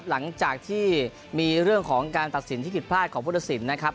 หลังจากที่มีเรื่องของการตัดสินที่ผิดพลาดของพุทธศิลป์นะครับ